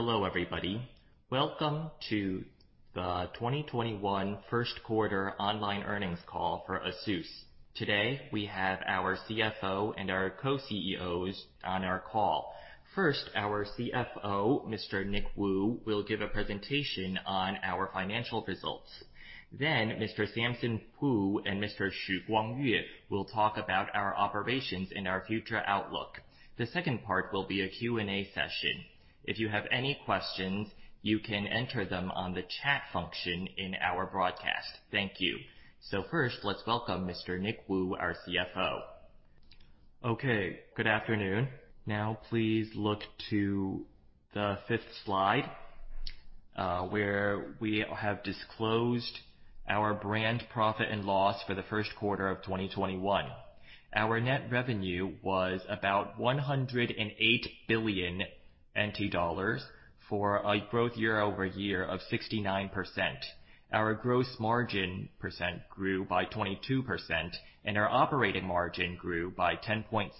Hello everybody. Welcome to the 2021 first-quarter online earnings call for ASUS. Today, we have our CFO and our co-CEOs on our call. First, our CFO, Mr. Nick Wu, will give a presentation on our financial results. Then Mr. Samson Hu and Mr. S.Y. Hsu will talk about our operations and our future outlook. The second part will be a Q&A session. If you have any questions, you can enter them on the chat function in our broadcast. Thank you. First, let's welcome Mr. Nick Wu, our CFO. Okay, good afternoon. Now please look to the fifth slide, where we have disclosed our brand profit and loss for the first-quarter of 2021. Our net revenue was about 108 billion NT dollars for a growth year-over-year of 69%. Our gross margin percent grew by 22%, and our operating margin grew by 10.7%,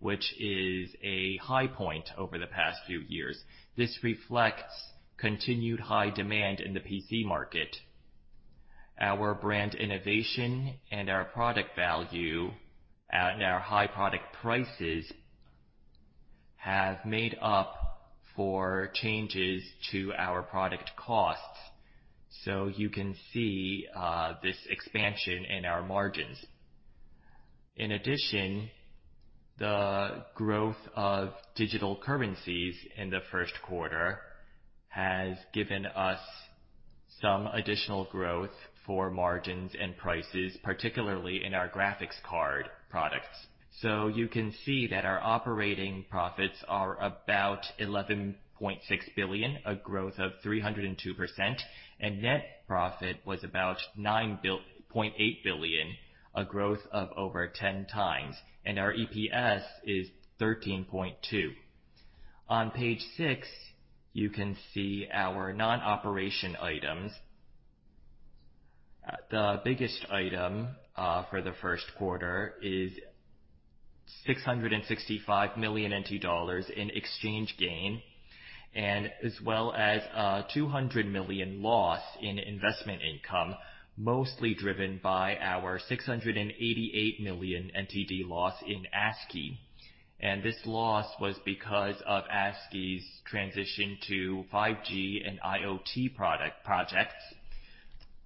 which is a high point over the past few years. This reflects continued high demand in the PC market. Our brand innovation and our product value and our high product prices have made up for changes to our product costs. You can see this expansion in our margins. In addition, the growth of digital currencies in the first quarter has given us some additional growth for margins and prices, particularly in our graphics card products. You can see that our operating profits are about TWD 11.6 billion, a growth of 302%, and net profit was about TWD 9.8 billion, a growth of over 10x, and our EPS is 13.2. On page six, you can see our non-operation items. The biggest item for the first quarter is 665 million NT dollars in exchange gain, as well as a 200 million loss in investment income, mostly driven by our 688 million loss in ASkey. This loss was because of ASkey's transition to 5G and IoT projects.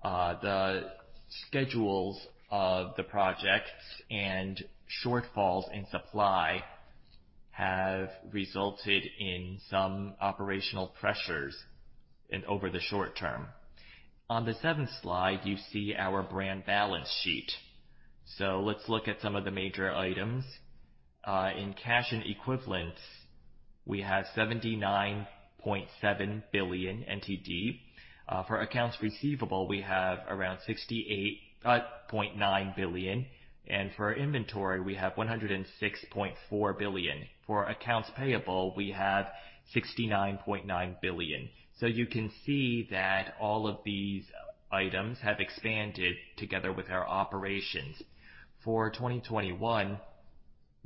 The schedules of the projects and shortfalls in supply have resulted in some operational pressures over the short term. On the seventh slide, you see our brand balance sheet. Let's look at some of the major items. In cash and equivalents, we have 79.7 billion. For accounts receivable, we have around 68.9 billion. For inventory, we have 106.4 billion. For accounts payable, we have 69.9 billion. You can see that all of these items have expanded together with our operations. For 2021,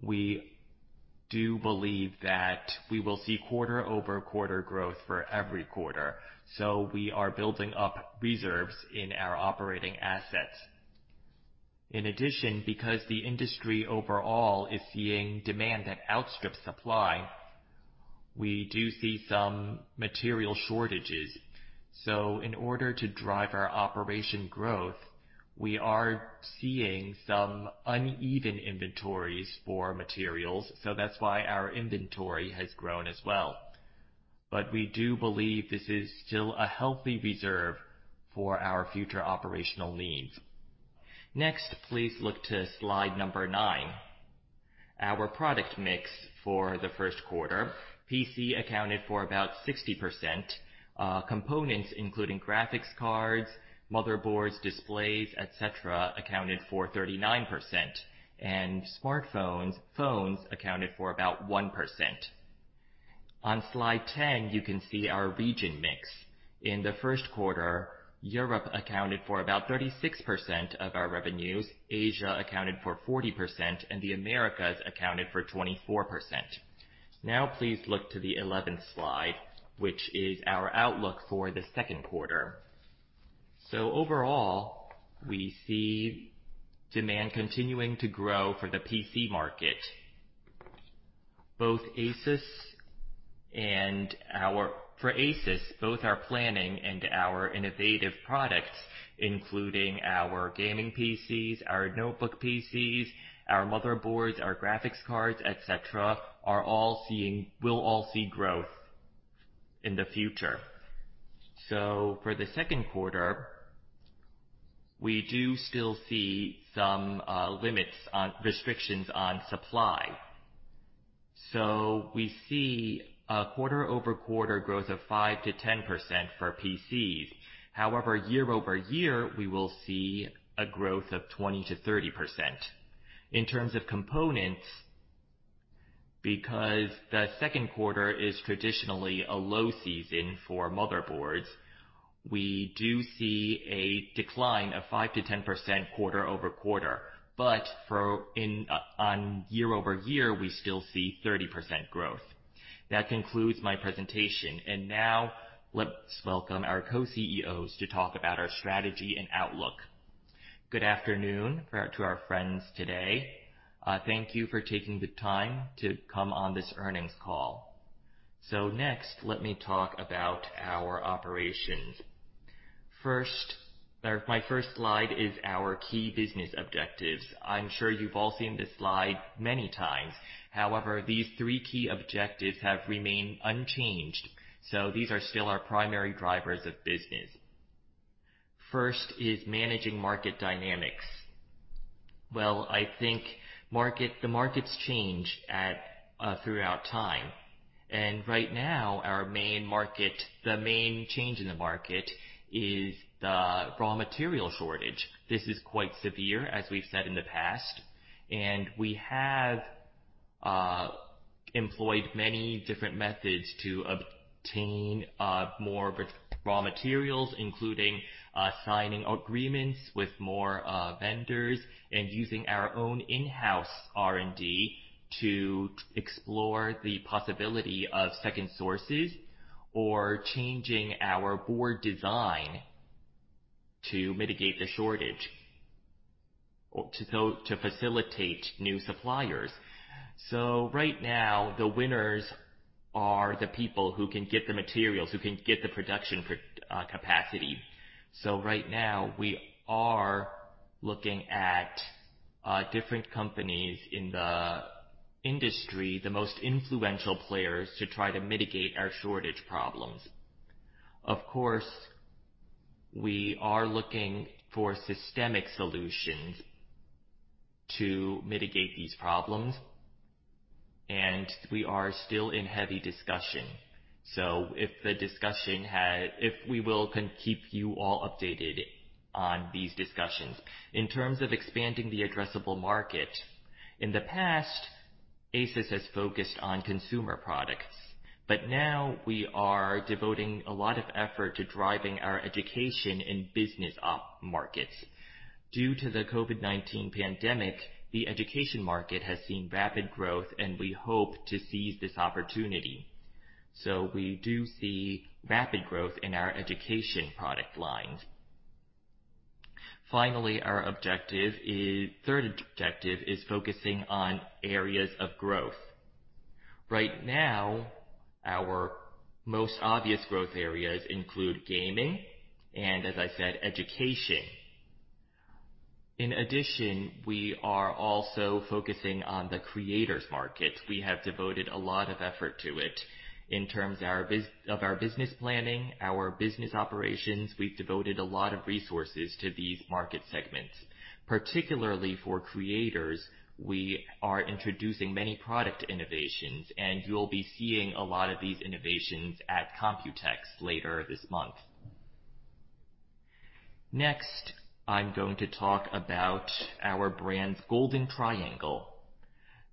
we do believe that we will see quarter-over-quarter growth for every quarter. We are building up reserves in our operating assets. In addition, because the industry overall is seeing demand that outstrips supply, we do see some material shortages. In order to drive our operation growth, we are seeing some uneven inventories for materials. That's why our inventory has grown as well. We do believe this is still a healthy reserve for our future operational needs. Next, please look to slide number nine. Our product mix for the first quarter. PC accounted for about 60%. Components, including graphics cards, motherboards, displays, et cetera, accounted for 39%, and smartphones, phones accounted for about 1%. On slide 10, you can see our region mix. In the first quarter, Europe accounted for about 36% of our revenues, Asia accounted for 40%, and the Americas accounted for 24%. Please look to the 11th slide, which is our outlook for the second quarter. Overall, we see demand continuing to grow for the PC market. For ASUS, both our planning and our innovative products, including our gaming PCs, our notebook PCs, our motherboards, our graphics cards, etc, will all see growth in the future. For the second quarter, we do still see some restrictions on supply. We see a quarter-over-quarter growth of 5%-10% for PCs. However, year-over-year, we will see a growth of 20%-30%. In terms of components, because the second quarter is traditionally a low season for motherboards. We do see a decline of 5%-10% quarter-over-quarter. On year-over-year, we still see 30% growth. That concludes my presentation. Now let's welcome our co-CEOs to talk about our strategy and outlook. Good afternoon to our friends today. Thank you for taking the time to come on this earnings call. Next, let me talk about our operations. My first slide is our key business objectives. I'm sure you've all seen this slide many times. However, these three key objectives have remained unchanged, so these are still our primary drivers of business. First is managing market dynamics. Well, I think the markets change throughout time, and right now the main change in the market is the raw material shortage. This is quite severe, as we've said in the past, and we have employed many different methods to obtain more raw materials, including signing agreements with more vendors and using our own in-house R&D to explore the possibility of second sources or changing our board design to mitigate the shortage, to facilitate new suppliers. Right now the winners are the people who can get the materials, who can get the production capacity. Right now we are looking at different companies in the industry, the most influential players to try to mitigate our shortage problems. Of course, we are looking for systemic solutions to mitigate these problems, and we are still in heavy discussion. We will keep you all updated on these discussions. In terms of expanding the addressable market, in the past, ASUS has focused on consumer products, but now we are devoting a lot of effort to driving our education and business op markets. Due to the COVID-19 pandemic, the education market has seen rapid growth, and we hope to seize this opportunity. We do see rapid growth in our education product lines. Finally, our third objective is focusing on areas of growth. Right now, our most obvious growth areas include gaming and, as I said, education. We are also focusing on the creators market. We have devoted a lot of effort to it. In terms of our business planning, our business operations, we've devoted a lot of resources to these market segments. Particularly for creators, we are introducing many product innovations, and you'll be seeing a lot of these innovations at Computex later this month. I'm going to talk about our brand's golden triangle.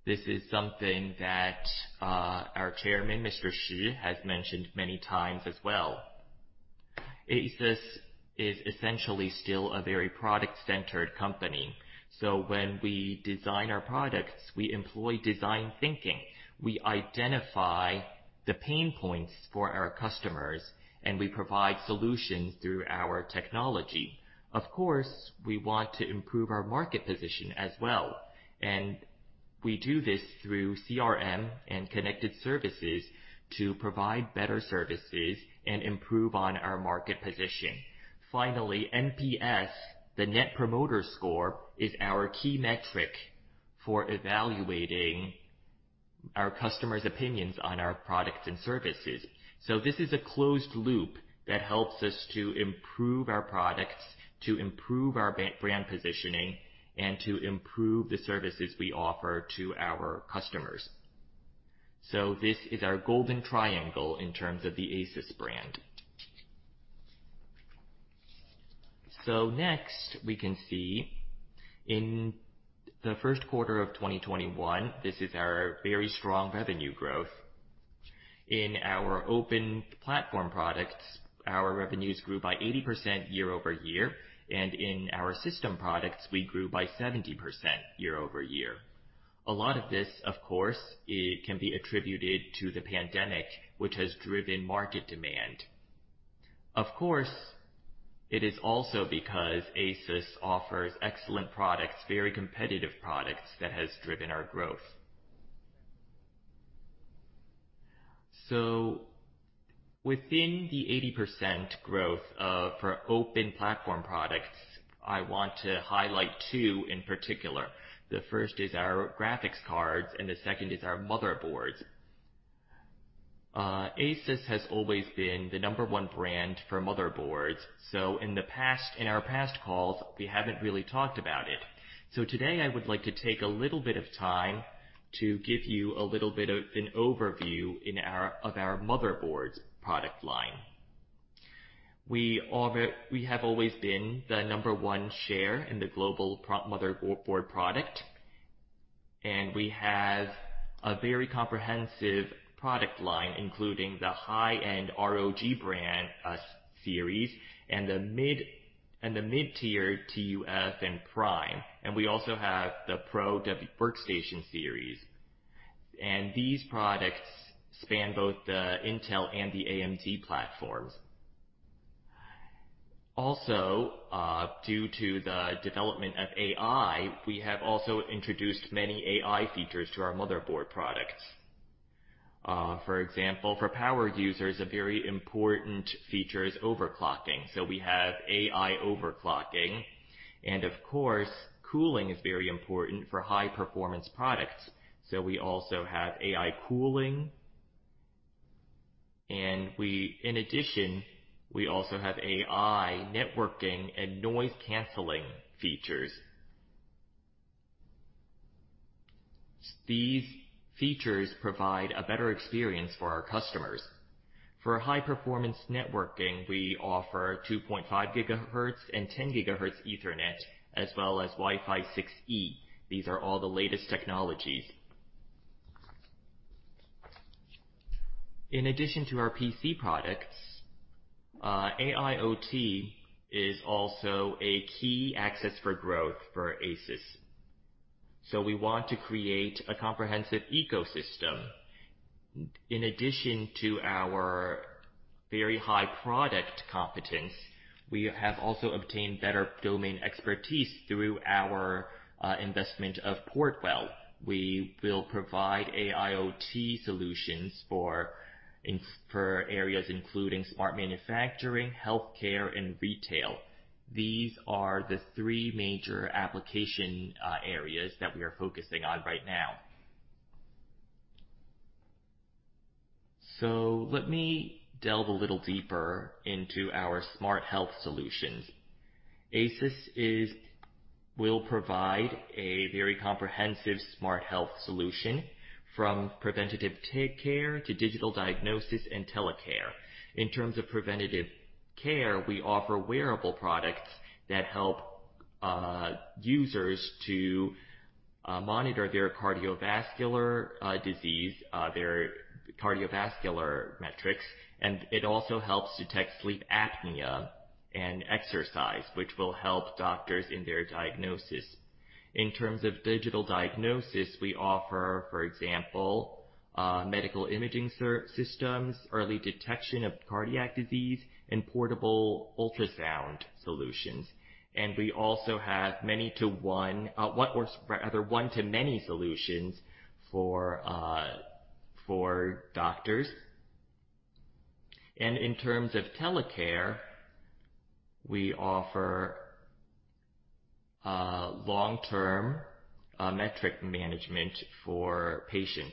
This is something that our Chairman, Mr. Shih, has mentioned many times as well. ASUS is essentially still a very product-centered company. When we design our products, we employ design thinking. We identify the pain points for our customers, and we provide solutions through our technology. Of course, we want to improve our market position as well, and we do this through CRM and connected services to provide better services and improve on our market position. Finally, NPS, the Net Promoter Score, is our key metric for evaluating our customers' opinions on our products and services. This is a closed loop that helps us to improve our products, to improve our brand positioning, and to improve the services we offer to our customers. This is our golden triangle in terms of the ASUS brand. Next we can see in the first quarter of 2021, this is our very strong revenue growth. In our open platform products, our revenues grew by 80% year-over-year, and in our system products, we grew by 70% year-over-year. A lot of this, of course, can be attributed to the pandemic, which has driven market demand. It is also because ASUS offers excellent products, very competitive products, that has driven our growth. Within the 80% growth for open platform products, I want to highlight two in particular. The first is our graphics cards and the second is our motherboards. ASUS has always been the number one brand for motherboards. In our past calls, we haven't really talked about it. Today I would like to take a little bit of time to give you a little bit of an overview of our motherboards product line. We have always been the number one share in the global motherboard product. We have a very comprehensive product line, including the high-end ROG brand series and the mid-tier TUF and Prime. We also have the Pro Workstation series. These products span both the Intel and the AMD platforms. Due to the development of AI, we have also introduced many AI features to our motherboard products. For example, for power users, a very important feature is overclocking. We have AI overclocking, and of course, cooling is very important for high-performance products, so we also have AI cooling. In addition, we also have AI networking and noise-canceling features. These features provide a better experience for our customers. For high-performance networking, we offer 2.5 gigahertz and 10 gigahertz ethernet, as well as Wi-Fi 6E. These are all the latest technologies. In addition to our PC products, AIoT is also a key access for growth for ASUS. We want to create a comprehensive ecosystem. In addition to our very high product competence, we have also obtained better domain expertise through our investment of Portwell. We will provide AIoT solutions for areas including smart manufacturing, health care, and retail. These are the three major application areas that we are focusing on right now. Let me delve a little deeper into our smart health solutions. ASUS will provide a very comprehensive smart health solution from preventative care to digital diagnosis and telecare. In terms of preventative care, we offer wearable products that help users to monitor their cardiovascular disease, their cardiovascular metrics, and it also helps detect sleep apnea and exercise, which will help doctors in their diagnosis. In terms of digital diagnosis, we offer, for example, medical imaging systems, early detection of cardiac disease, and portable ultrasound solutions. We also have one-to-many solutions for doctors. In terms of telecare, we offer long-term metric management for patients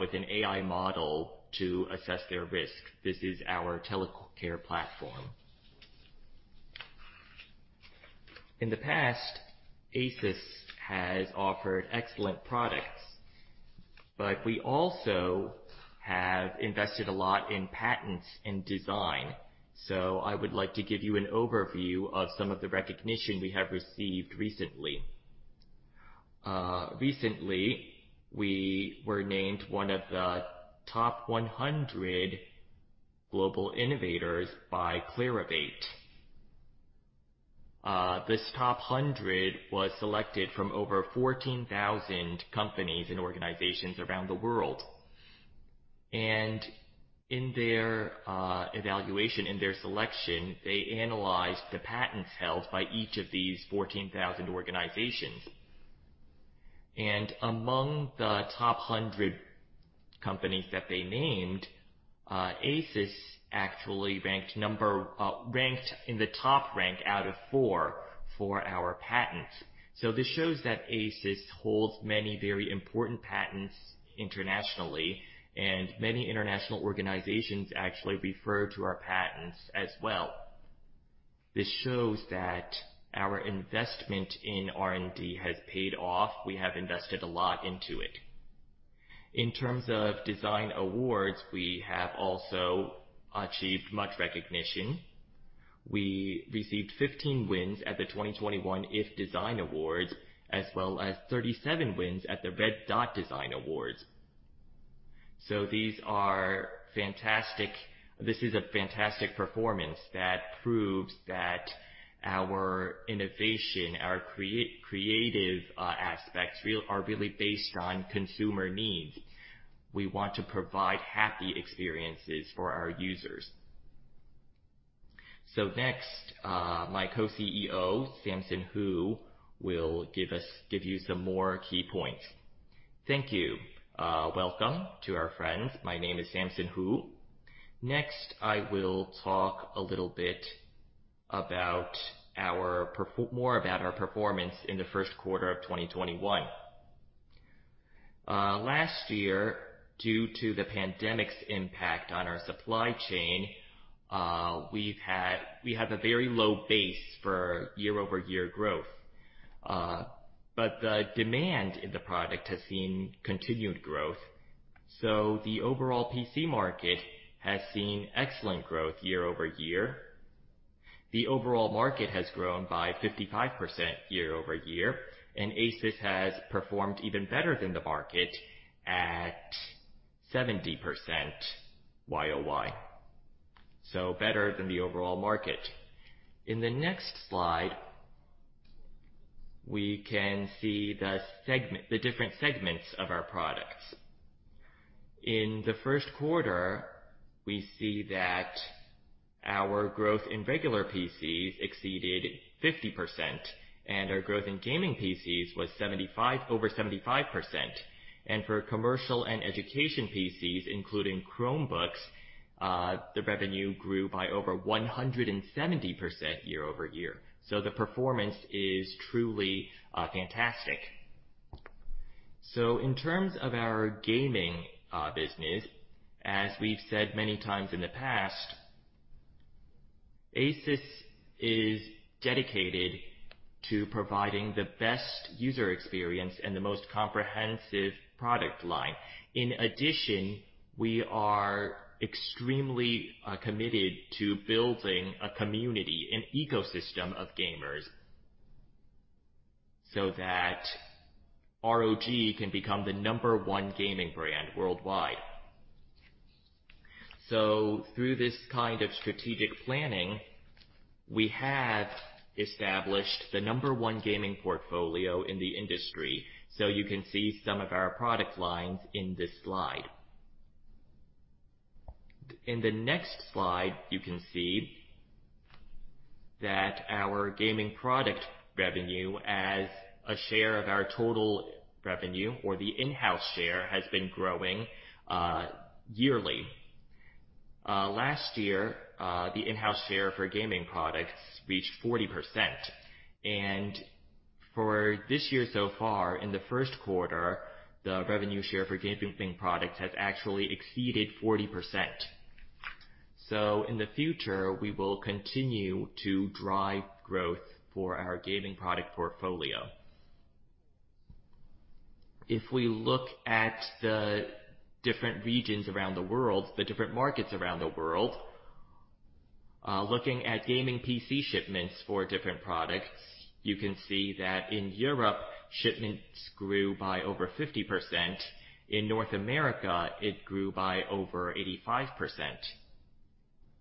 with an AI model to assess their risk. This is our telecare platform. In the past, ASUS has offered excellent products, but we also have invested a lot in patents and design. I would like to give you an overview of some of the recognition we have received recently. Recently, we were named one of the top 100 global innovators by Clarivate. This top 100 was selected from over 14,000 companies and organizations around the world. In their evaluation, in their selection, they analyzed the patents held by each of these 14,000 organizations. Among the top 100 companies that they named, ASUS actually ranked in the top rank out of four for our patents. This shows that ASUS holds many very important patents internationally, and many international organizations actually refer to our patents as well. This shows that our investment in R&D has paid off. We have invested a lot into it. In terms of design awards, we have also achieved much recognition. We received 15 wins at the 2021 iF Design Awards, as well as 37 wins at the Red Dot Design Awards. This is a fantastic performance that proves that our innovation, our creative aspects are really based on consumer needs. We want to provide happy experiences for our users. Next, my co-CEO, Samson Hu, will give you some more key points. Thank you. Welcome to our friends. My name is Samson Hu. Next, I will talk a little bit more about our performance in the first quarter of 2021. Last year, due to the pandemic's impact on our supply chain, we have a very low base for year-over-year growth. The demand in the product has seen continued growth. The overall PC market has seen excellent growth year-over-year. The overall market has grown by 55% year-over-year, and ASUS has performed even better than the market at 70% YoY. Better than the overall market. In the next slide, we can see the different segments of our products. In the first quarter, we see that our growth in regular PCs exceeded 50%, and our growth in gaming PCs was over 75%. For commercial and education PCs, including Chromebooks, the revenue grew by over 170% year-over-year. The performance is truly fantastic. In terms of our gaming business, as we've said many times in the past, ASUS is dedicated to providing the best user experience and the most comprehensive product line. In addition, we are extremely committed to building a community—an ecosystem of gamers—so that ROG can become the number one gaming brand worldwide. Through this kind of strategic planning, we have established the number one gaming portfolio in the industry. You can see some of our product lines in this slide. In the next slide, you can see that our gaming product revenue as a share of our total revenue or the in-house share, has been growing yearly. Last year, the in-house share for gaming products reached 40%. For this year, so far, in the first quarter, the revenue share for gaming products has actually exceeded 40%. In the future, we will continue to drive growth for our gaming product portfolio. We look at the different regions around the world, the different markets around the world, looking at gaming PC shipments for different products, you can see that in Europe, shipments grew by over 50%. In North America, it grew by over 85%.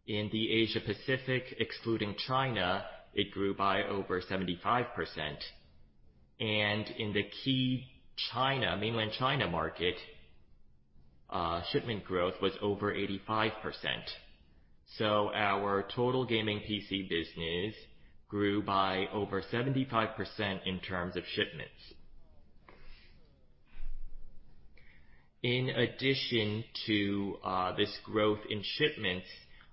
In the Asia-Pacific, excluding China, it grew by over 75%. In the key mainland China market, shipment growth was over 85%. Our total gaming PC business grew by over 75% in terms of shipments. In addition to this growth in shipments,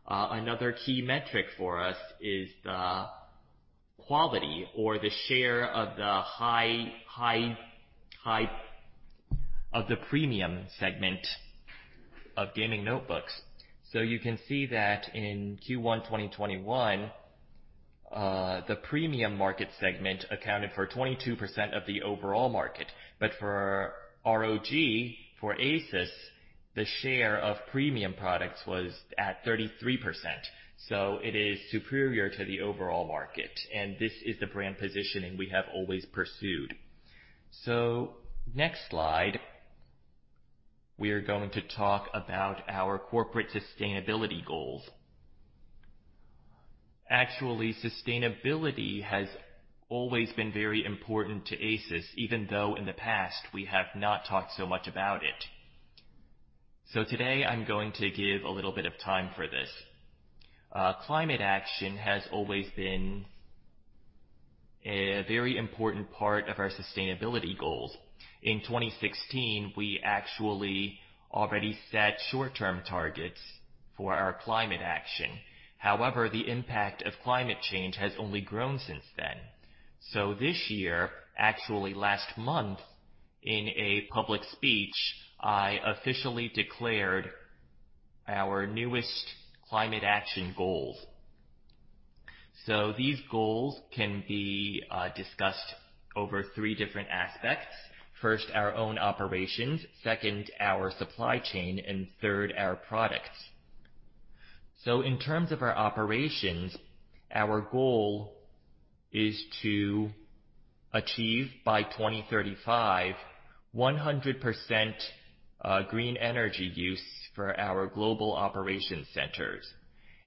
another key metric for us is the quality or the share of the premium segment of gaming notebooks. You can see that in Q1 2021, the premium market segment accounted for 22% of the overall market. For ROG, for ASUS, the share of premium products was at 33%. It is superior to the overall market, and this is the brand positioning we have always pursued. Next slide, we are going to talk about our corporate sustainability goals. Actually, sustainability has always been very important to ASUS, even though in the past we have not talked so much about it. Today I'm going to give a little bit of time for this. Climate action has always been a very important part of our sustainability goals. In 2016, we actually already set short-term targets for our climate action. However, the impact of climate change has only grown since then. This year, actually last month in a public speech, I officially declared our newest climate action goals. These goals can be discussed over 3 different aspects. First, our own operations, second, our supply chain, and third, our products. In terms of our operations, our goal is to achieve, by 2035, 100% green energy use for our global operation centers.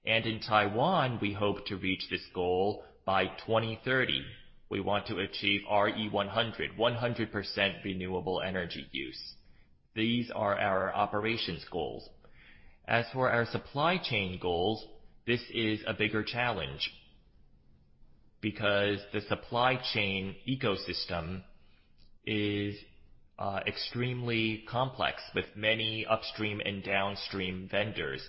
In Taiwan, we hope to reach this goal by 2030. We want to achieve RE100, 100% renewable energy use. These are our operations goals. As for our supply chain goals, this is a bigger challenge because the supply chain ecosystem is extremely complex with many upstream and downstream vendors.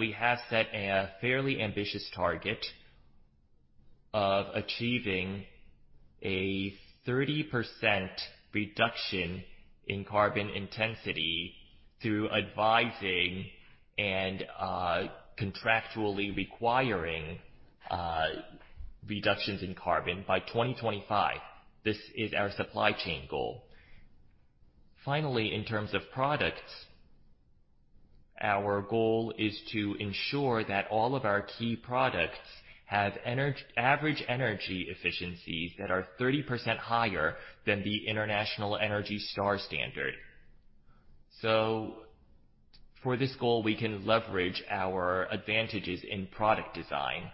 We have set a fairly ambitious target of achieving a 30% reduction in carbon intensity through advising and contractually requiring reductions in carbon by 2025. This is our supply chain goal. Finally, in terms of products. Our goal is to ensure that all of our key products have average energy efficiencies that are 30% higher than the International Energy Star Standard. For this goal, we can leverage our advantages in product design,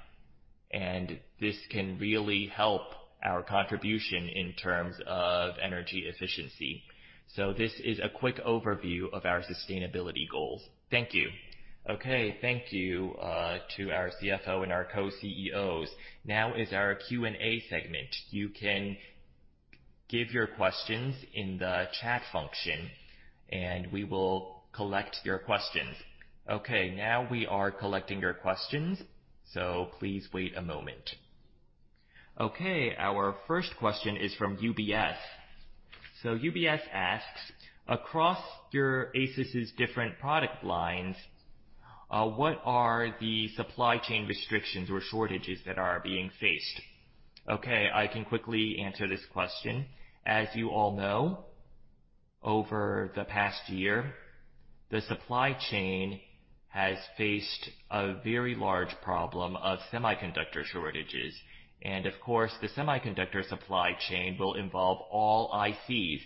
and this can really help our contribution in terms of energy efficiency. This is a quick overview of our sustainability goals. Thank you. Thank you to our CFO and our co-CEOs. Now is our Q&A segment. You can give your questions in the chat function, and we will collect your questions. Now we are collecting your questions, so please wait a moment. Our first question is from UBS. UBS asks, "Across your ASUS's different product lines, what are the supply chain restrictions or shortages that are being faced?" I can quickly answer this question. As you all know, over the past year, the supply chain has faced a very large problem of semiconductor shortages. Of course, the semiconductor supply chain will involve all ICs,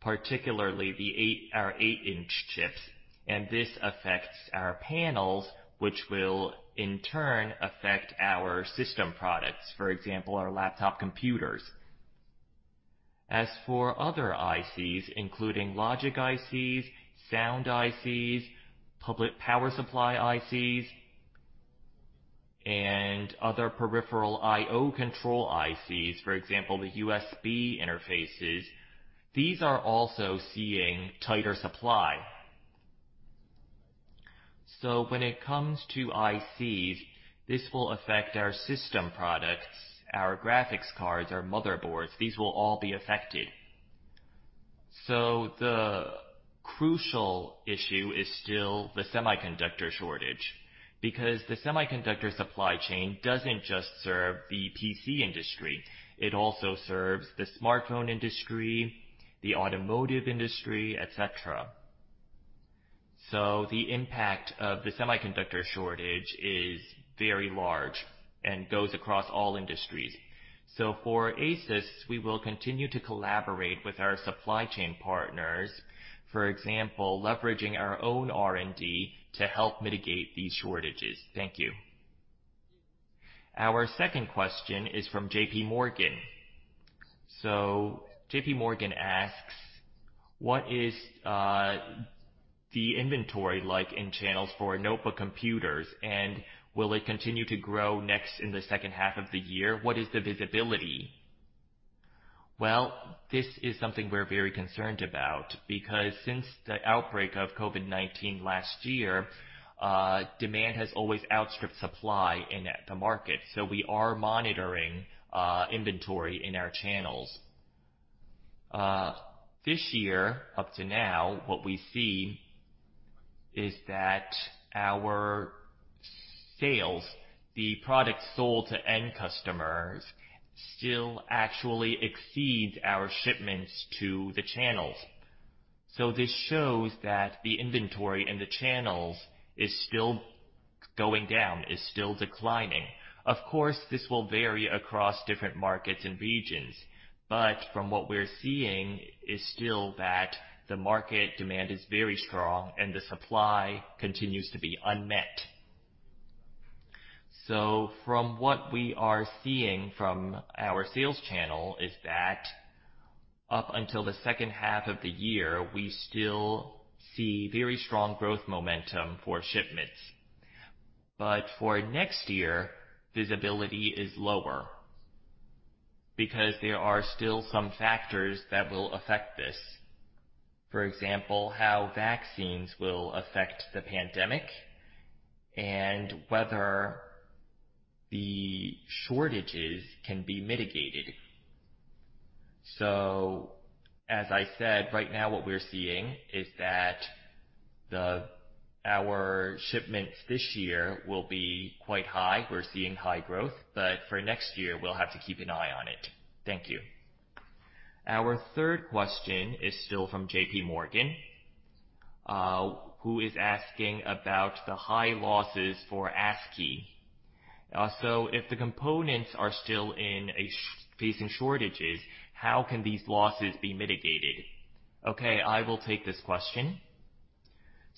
particularly our 8-inch chips. This affects our panels, which will in turn affect our system products, for example, our laptop computers. As for other ICs, including logic ICs, sound ICs, public power supply ICs, and other peripheral IO control ICs, for example, the USB interfaces, these are also seeing tighter supply. When it comes to ICs, this will affect our system products, our graphics cards, our motherboards. These will all be affected. The crucial issue is still the semiconductor shortage, because the semiconductor supply chain doesn't just serve the PC industry. It also serves the smartphone industry, the automotive industry, et cetera. The impact of the semiconductor shortage is very large and goes across all industries. For ASUS, we will continue to collaborate with our supply chain partners, for example, leveraging our own R&D to help mitigate these shortages. Thank you. Our second question is from JP Morgan. JP Morgan asks, "What is the inventory like in channels for notebook computers? And will it continue to grow next in the second half of the year? What is the visibility?" Well, this is something we're very concerned about because since the outbreak of COVID-19 last year, demand has always outstripped supply in the market. We are monitoring inventory in our channels. This year, up to now, what we see is that our sales, the products sold to end customers, still actually exceeds our shipments to the channels. This shows that the inventory in the channels is still going down, is still declining. Of course, this will vary across different markets and regions. From what we're seeing is still that the market demand is very strong and the supply continues to be unmet. From what we are seeing from our sales channel is that up until the second half of the year, we still see very strong growth momentum for shipments. For next year, visibility is lower because there are still some factors that will affect this. For example, how vaccines will affect the pandemic and whether the shortages can be mitigated. As I said, right now what we're seeing is that our shipments this year will be quite high. We're seeing high growth. For next year, we'll have to keep an eye on it. Thank you. Our third question is still from JP Morgan, who is asking about the high losses for ASkey. If the components are still facing shortages, how can these losses be mitigated? Okay, I will take this question.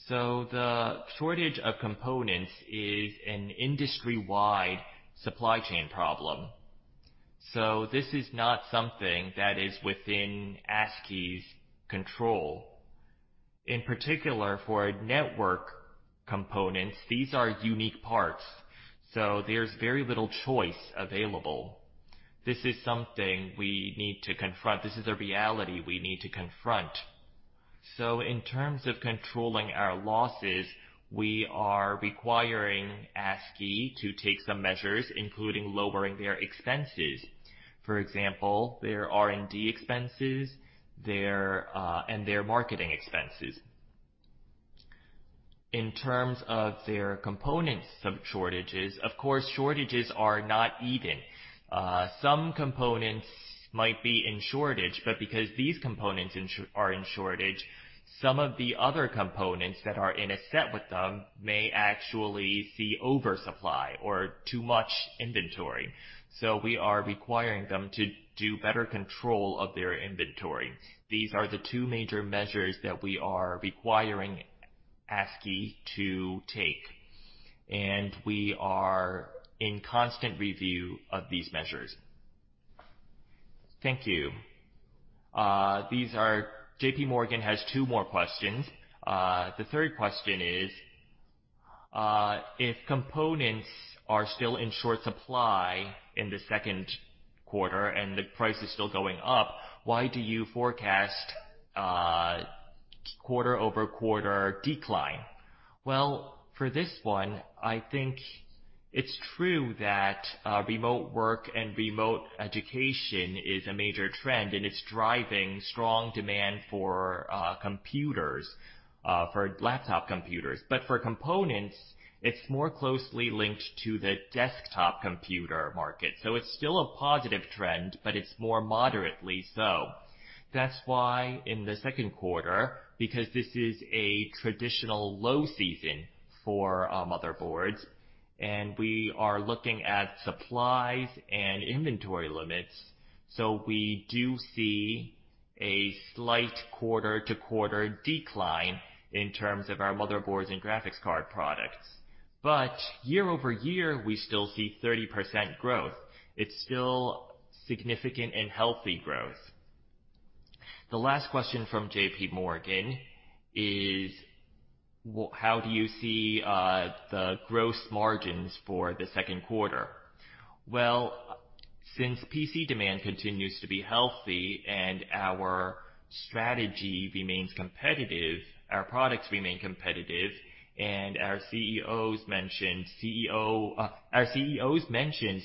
The shortage of components is an industry-wide supply chain problem. This is not something that is within ASkey's control. In particular, for network components, these are unique parts. There's very little choice available. This is something we need to confront. This is a reality we need to confront. In terms of controlling our losses, we are requiring ASkey to take some measures, including lowering their expenses. For example, their R&D expenses, and their marketing expenses. In terms of their components of shortages, of course, shortages are not even. Some components might be in shortage, but because these components are in shortage, some of the other components that are in a set with them may actually see oversupply or too much inventory. We are requiring them to do better control of their inventory. These are the two major measures that we are requiring ASkey to take, and we are in constant review of these measures. Thank you. JPMorgan has two more questions. The third question is, if components are still in short supply in the second quarter and the price is still going up, why do you forecast quarter-over-quarter decline? For this one, I think it's true that remote work and remote education is a major trend, and it's driving strong demand for laptop computers. For components, it's more closely linked to the desktop computer market. It's still a positive trend, but it's more moderately so. That's why in the second quarter, because this is a traditional low season for motherboards, and we are looking at supplies and inventory limits. We do see a slight quarter-over-quarter decline in terms of our motherboards and graphics card products. Year-over-year, we still see 30% growth. It's still significant and healthy growth. The last question from JP Morgan is, how do you see the growth margins for the second quarter? Well, since PC demand continues to be healthy and our strategy remains competitive, our products remain competitive, and our CEOs mention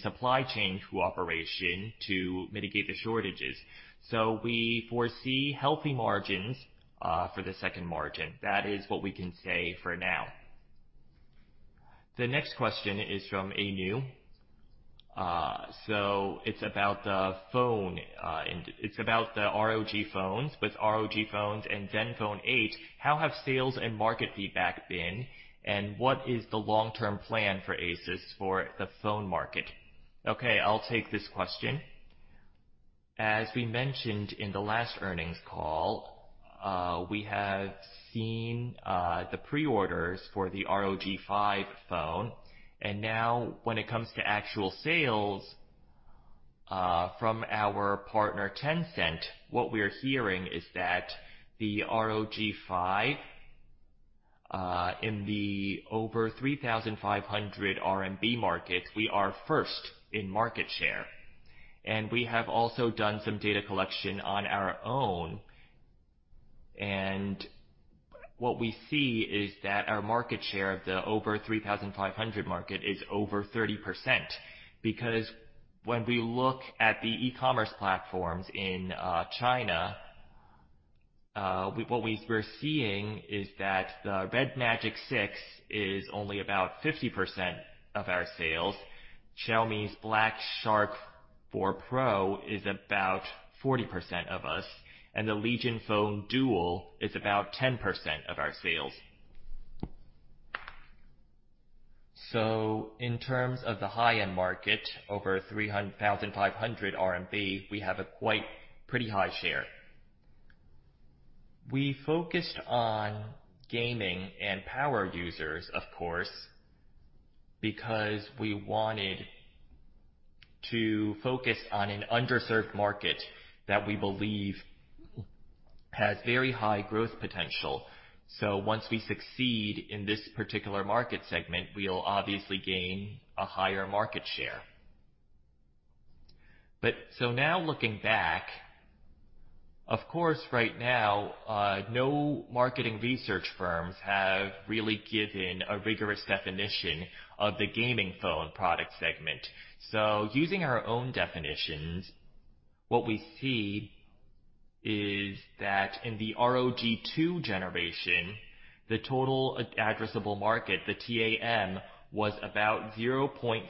supply chain cooperation to mitigate the shortages. We foresee healthy margins for the second quarter. That is what we can say for now. The next question is from Anu. It's about the ROG phones. With ROG phones and Zenfone 8, how have sales and market feedback been, and what is the long-term plan for ASUS for the phone market? Okay, I'll take this question. As we mentioned in the last earnings call, we have seen the pre-orders for the ROG Phone 5. Now when it comes to actual sales from our partner, Tencent, what we're hearing is that the ROG 5 in the over 3,500 RMB market, we are first in market share. We have also done some data collection on our own, and what we see is that our market share of the over 3,500 market is over 30%, because when we look at the e-commerce platforms in China, what we're seeing is that the Red Magic 6 is only about 50% of our sales. Xiaomi's Black Shark 4 Pro is about 40% of us, and the Legion Phone Duel is about 10% of our sales. In terms of the high-end market, over 3,500 RMB, we have a quite pretty high share. We focused on gaming and power users, of course, because we wanted to focus on an underserved market that we believe has very high growth potential. Once we succeed in this particular market segment, we'll obviously gain a higher market share. Now looking back, of course, right now, no marketing research firms have really given a rigorous definition of the gaming phone product segment. Using our own definitions, what we see is that in the ROG 2 generation, the total addressable market, the TAM, was about 0.6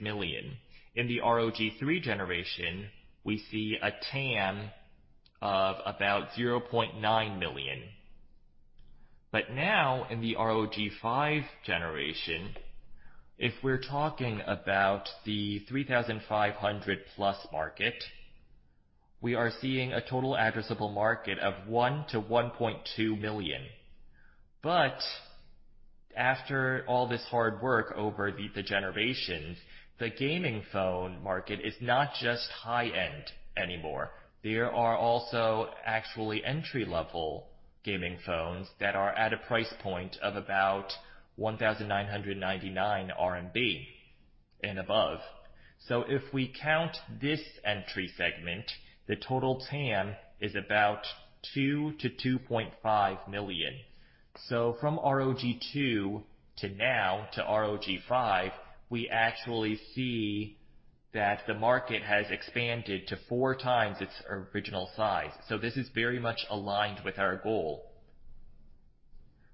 million. In the ROG 3 generation, we see a TAM of about 0.9 million. Now in the ROG 5 generation, if we're talking about the 3,500 plus market, we are seeing a total addressable market of 1 million-1.2 million. After all this hard work over the generations, the gaming phone market is not just high-end anymore. There are also actually entry-level gaming phones that are at a price point of about 1,999 RMB and above. If we count this entry segment, the total TAM is about 2 million-2.5 million. From ROG Phone II to now to ROG Phone 5, we actually see that the market has expanded to four times its original size. This is very much aligned with our goal.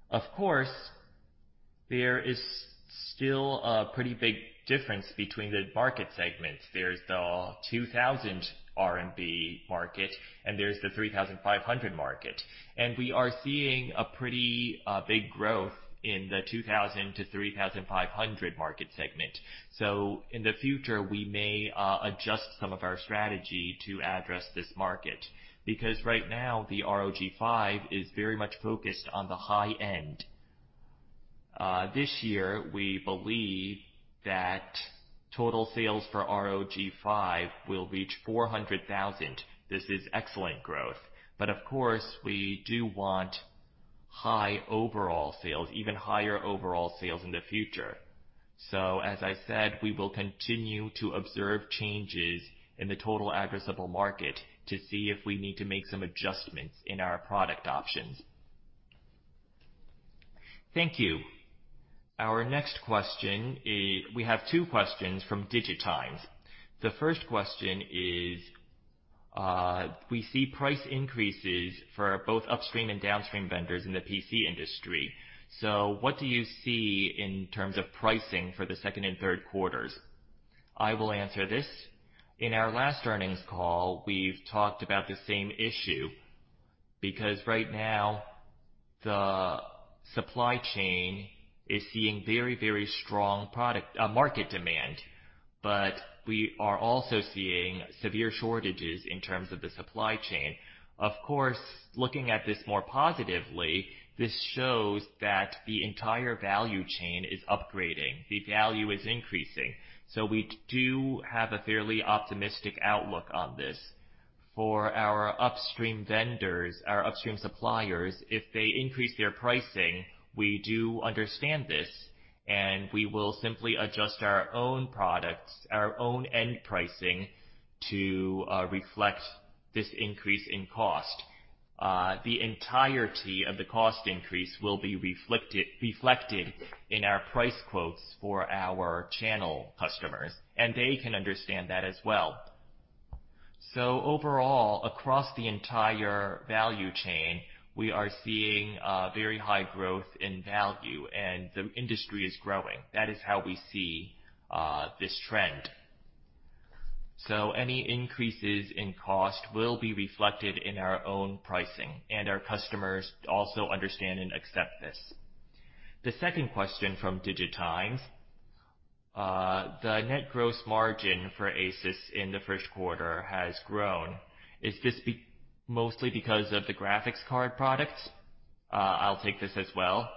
Of course, there is still a pretty big difference between the market segments. There's the 2,000 RMB market and there's the 3,500 market. We are seeing a pretty big growth in the 2,000-3,500 market segment. In the future, we may adjust some of our strategy to address this market because right now the ROG Phone 5 is very much focused on the high end. This year, we believe that total sales for ROG Phone 5 will reach 400,000. This is excellent growth. Of course, we do want high overall sales, even higher overall sales in the future. As I said, we will continue to observe changes in the total addressable market to see if we need to make some adjustments in our product options. Thank you. Our next question, we have two questions from DIGITIMES. The first question is: we see price increases for both upstream and downstream vendors in the PC industry. What do you see in terms of pricing for the second and third quarters? I will answer this. In our last earnings call, we've talked about the same issue because right now the supply chain is seeing very, very strong market demand. We are also seeing severe shortages in terms of the supply chain. Of course, looking at this more positively, this shows that the entire value chain is upgrading, the value is increasing. We do have a fairly optimistic outlook on this. For our upstream vendors, our upstream suppliers, if they increase their pricing, we do understand this, and we will simply adjust our own products, our own end pricing to reflect this increase in cost. The entirety of the cost increase will be reflected in our price quotes for our channel customers, and they can understand that as well. Overall, across the entire value chain, we are seeing very high growth in value and the industry is growing. That is how we see this trend. Any increases in cost will be reflected in our own pricing, and our customers also understand and accept this. The second question from DIGITIMES. The net gross margin for ASUS in the first quarter has grown. Is this mostly because of the graphics card products? I'll take this as well.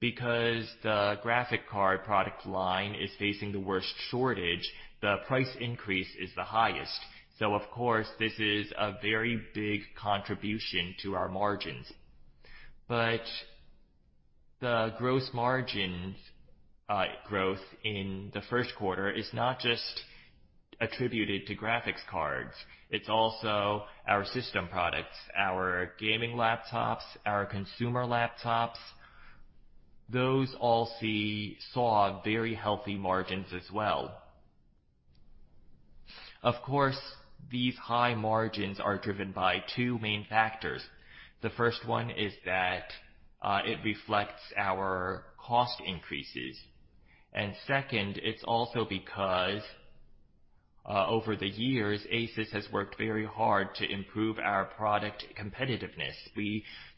Because the graphics card product line is facing the worst shortage, the price increase is the highest. Of course, this is a very big contribution to our margins. The gross margin growth in the first quarter is not just attributed to graphics cards. It's also our system products, our gaming laptops, our consumer laptops. Those all saw very healthy margins as well. These high margins are driven by two main factors. The first one is that it reflects our cost increases. Second, it's also because over the years, ASUS has worked very hard to improve our product competitiveness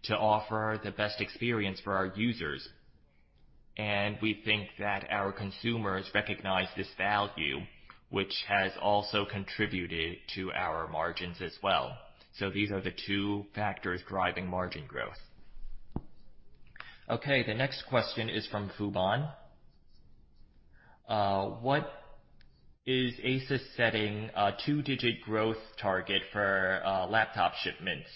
to offer the best experience for our users. We think that our consumers recognize this value, which has also contributed to our margins as well. These are the two factors driving margin growth. The next question is from Fubon. What is ASUS setting a two-digit growth target for laptop shipments?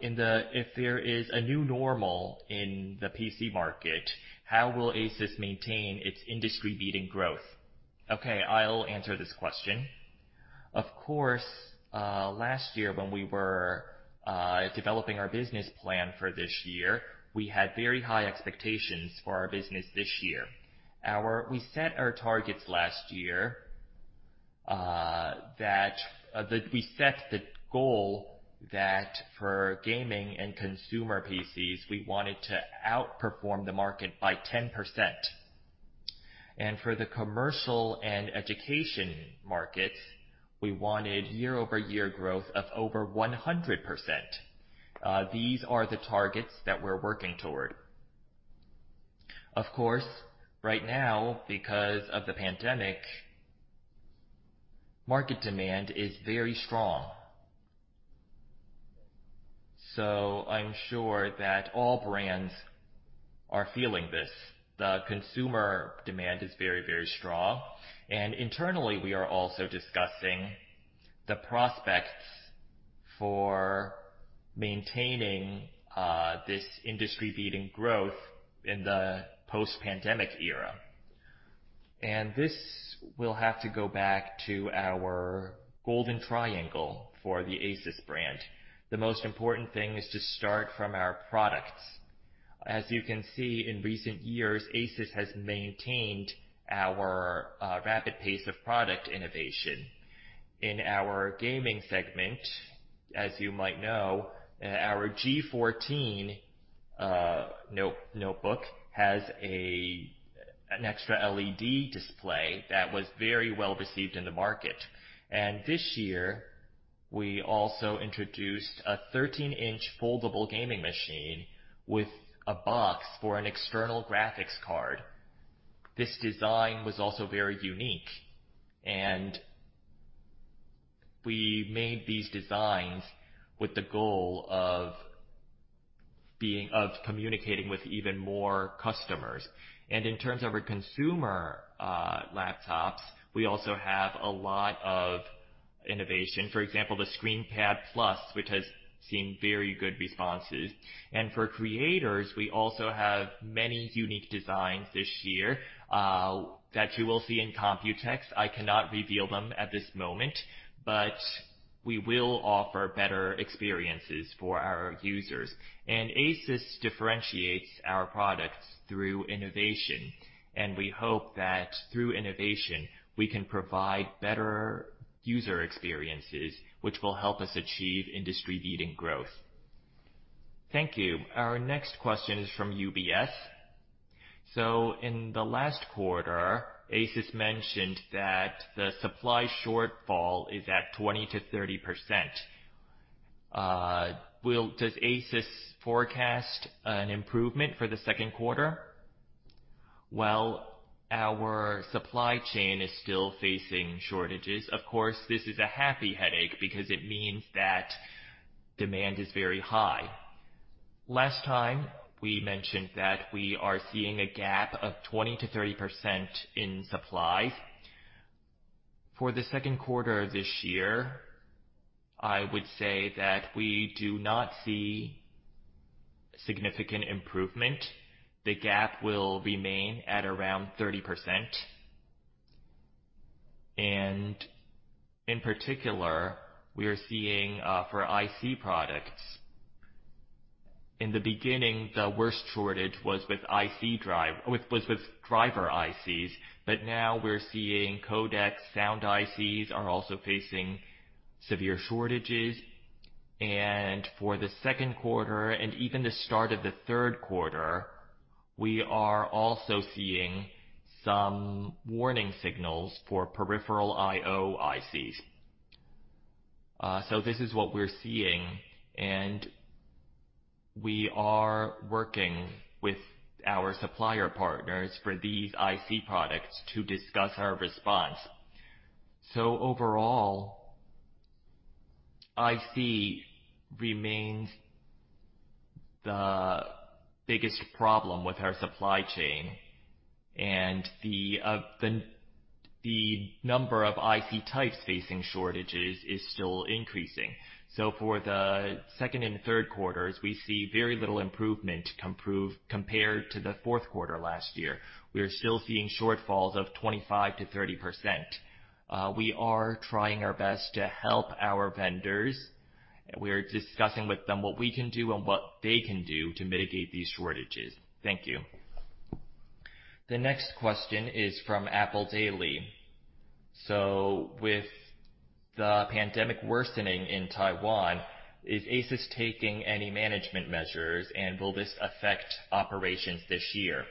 If there is a new normal in the PC market, how will ASUS maintain its industry-leading growth? Okay, I'll answer this question. Of course, last year when we were developing our business plan for this year, we had very high expectations for our business this year. We set our targets last year that we set the goal that for gaming and consumer PCs, we wanted to outperform the market by 10%. For the commercial and education markets, we wanted year-over-year growth of over 100%. These are the targets that we're working toward. Of course, right now because of the pandemic, market demand is very strong. I'm sure that all brands are feeling this. The consumer demand is very, very strong. Internally, we are also discussing the prospects for maintaining this industry-leading growth in the post-pandemic era. We'll have to go back to our golden triangle for the ASUS brand. The most important thing is to start from our products. As you can see, in recent years, ASUS has maintained our rapid pace of product innovation. In our gaming segment, as you might know, our G14 notebook has an extra LED display that was very well received in the market. This year, we also introduced a 13-inch foldable gaming machine with a box for an external graphics card. This design was also very unique, and we made these designs with the goal of communicating with even more customers. In terms of our consumer laptops, we also have a lot of innovation. For example, the ScreenPad Plus, which has seen very good responses. For creators, we also have many unique designs this year that you will see in Computex. I cannot reveal them at this moment, we will offer better experiences for our users. ASUS differentiates our products through innovation, and we hope that through innovation, we can provide better user experiences, which will help us achieve industry-leading growth. Thank you. Our next question is from UBS. In the last quarter, ASUS mentioned that the supply shortfall is at 20%-30%. Does ASUS forecast an improvement for the second quarter? Well, our supply chain is still facing shortages. Of course, this is a happy headache because it means that demand is very high. Last time, we mentioned that we are seeing a gap of 20%-30% in supply. For the second quarter this year, I would say that we do not see significant improvement. The gap will remain at around 30%. In particular, we are seeing for IC products, in the beginning, the worst shortage was with driver ICs, but now we're seeing codec sound ICs are also facing severe shortages. For the second quarter and even the start of the third quarter, we are also seeing some warning signals for peripheral I/O ICs. This is what we're seeing, and we are working with our supplier partners for these IC products to discuss our response. Overall, IC remains the biggest problem with our supply chain, and the number of IC types facing shortages is still increasing. For the second and third quarters, we see very little improvement compared to the fourth quarter last year. We are still seeing shortfalls of 25%-30%. We are trying our best to help our vendors. We are discussing with them what we can do and what they can do to mitigate these shortages. Thank you. The next question is from Apple Daily. With the pandemic worsening in Taiwan, is ASUS taking any management measures, and will this affect operations this year?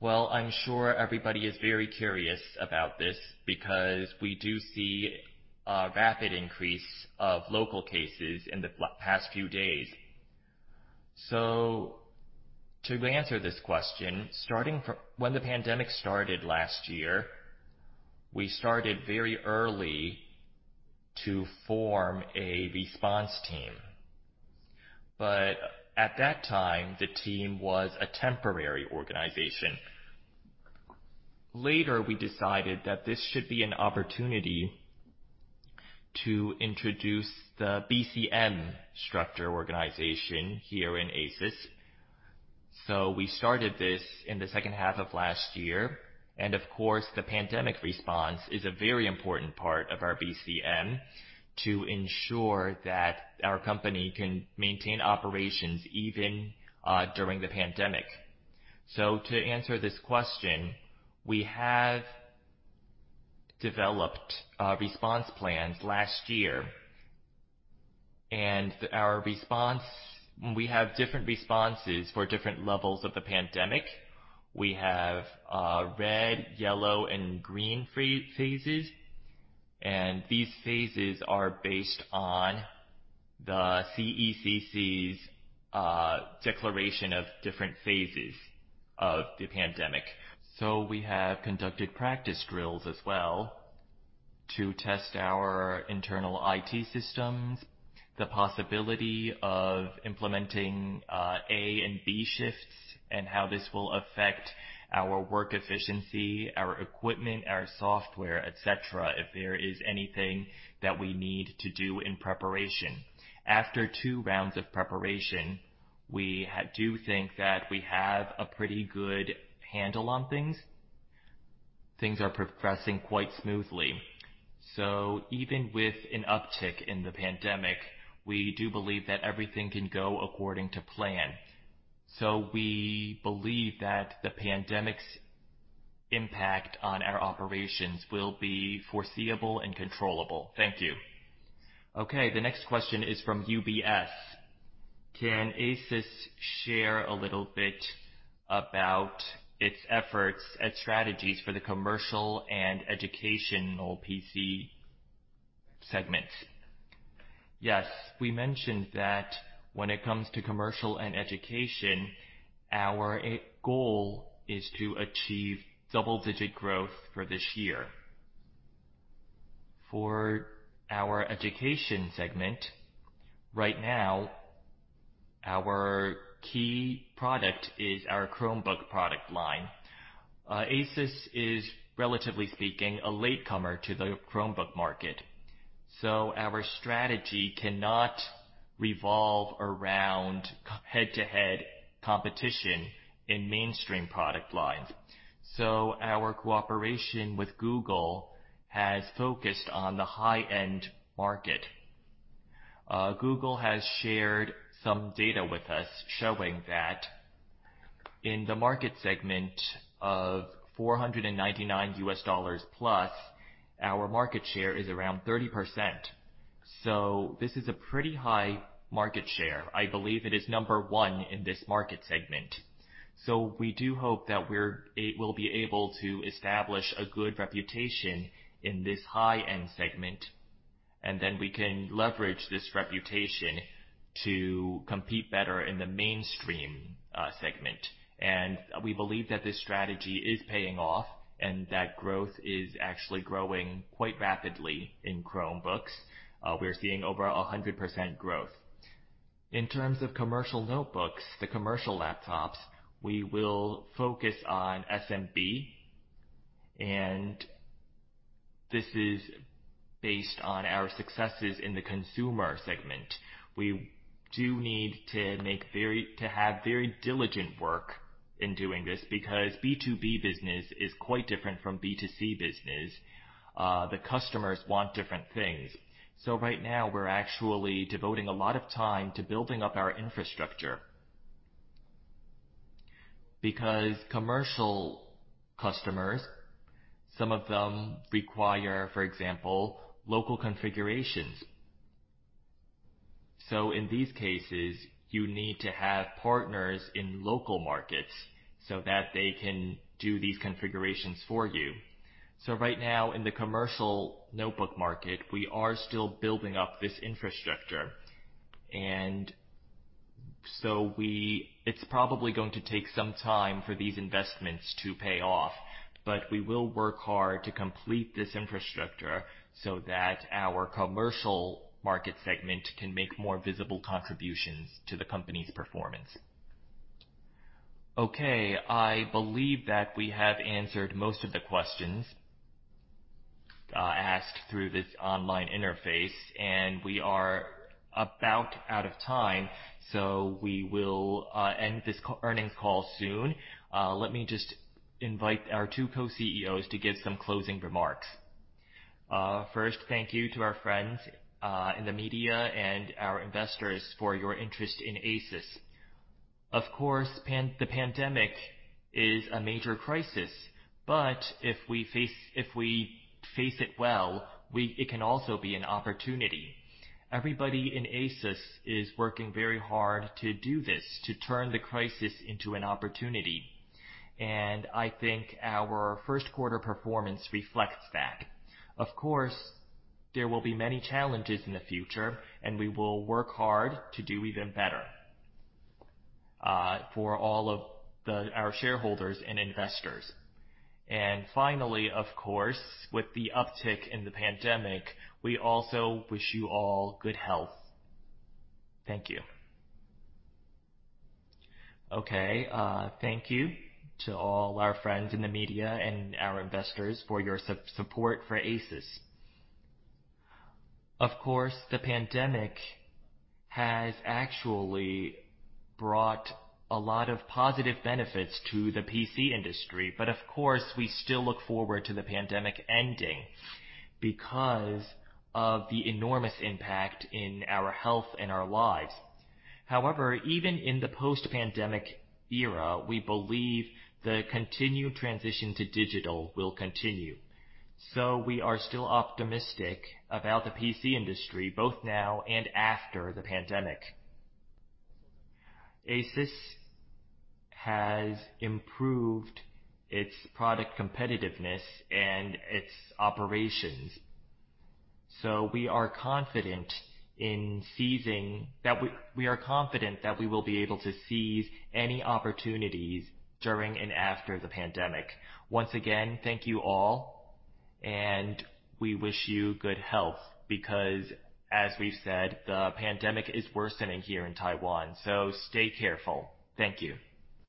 Well, I'm sure everybody is very curious about this because we do see a rapid increase of local cases in the past few days. To answer this question, when the pandemic started last year, we started very early to form a response team. At that time, the team was a temporary organization. Later, we decided that this should be an opportunity to introduce the BCM structure organization here in ASUS. We started this in the second half of last year. Of course, the pandemic response is a very important part of our BCM to ensure that our company can maintain operations even during the pandemic. To answer this question, we have developed response plans last year, and we have different responses for different levels of the pandemic. We have red, yellow, and green phases, and these phases are based on the CECC's declaration of different phases of the pandemic. We have conducted practice drills as well to test our internal IT systems, the possibility of implementing A and B shifts, and how this will affect our work efficiency, our equipment, our software, et cetera, if there is anything that we need to do in preparation. After two rounds of preparation. We do think that we have a pretty good handle on things. Things are progressing quite smoothly. Even with an uptick in the pandemic, we do believe that everything can go according to plan. We believe that the pandemic's impact on our operations will be foreseeable and controllable. Thank you. Okay. The next question is from UBS. Can ASUS share a little bit about its efforts and strategies for the commercial and educational PC segments? Yes. We mentioned that when it comes to commercial and education, our goal is to achieve double-digit growth for this year. For our education segment, right now, our key product is our Chromebook product line. ASUS is, relatively speaking, a latecomer to the Chromebook market, so our strategy cannot revolve around head-to-head competition in mainstream product lines. Our cooperation with Google has focused on the high-end market. Google has shared some data with us showing that in the market segment of $499 plus, our market share is around 30%. This is a pretty high market share. I believe it is number one in this market segment. We do hope that we'll be able to establish a good reputation in this high-end segment, and then we can leverage this reputation to compete better in the mainstream segment. We believe that this strategy is paying off, and that growth is actually growing quite rapidly in Chromebooks. We're seeing over 100% growth. In terms of commercial notebooks, the commercial laptops, we will focus on SMB, and this is based on our successes in the consumer segment. We do need to have very diligent work in doing this, because B2B business is quite different from B2C business. The customers want different things. Right now we're actually devoting a lot of time to building up our infrastructure. Commercial customers, some of them require, for example, local configurations. In these cases, you need to have partners in local markets so that they can do these configurations for you. Right now in the commercial notebook market, we are still building up this infrastructure. It's probably going to take some time for these investments to pay off, but we will work hard to complete this infrastructure so that our commercial market segment can make more visible contributions to the company's performance. Okay. I believe that we have answered most of the questions asked through this online interface, and we are about out of time, so we will end this earnings call soon. Let me just invite our two Co-CEOs to give some closing remarks. Thank you to our friends in the media and our investors for your interest in ASUS. Of course, the pandemic is a major crisis, but if we face it well, it can also be an opportunity. Everybody in ASUS is working very hard to do this, to turn the crisis into an opportunity. I think our first quarter performance reflects that. Of course, there will be many challenges in the future, and we will work hard to do even better for all of our shareholders and investors. Finally, of course, with the uptick in the pandemic, we also wish you all good health. Thank you. Okay. Thank you to all our friends in the media and our investors for your support for ASUS. Of course, the pandemic has actually brought a lot of positive benefits to the PC industry. Of course, we still look forward to the pandemic ending because of the enormous impact in our health and our lives. However, even in the post-pandemic era, we believe the continued transition to digital will continue. We are still optimistic about the PC industry both now and after the pandemic. ASUS has improved its product competitiveness and its operations. We are confident that we will be able to seize any opportunities during and after the pandemic. Once again, thank you all, and we wish you good health because, as we've said, the pandemic is worsening here in Taiwan, so stay careful. Thank you.